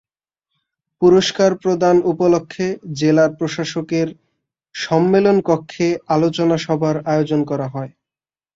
পুরস্কার প্রদান উপলক্ষে জেলা প্রশাসকের সম্মেলন কক্ষে আলোচনা সভার আয়োজন করা হয়।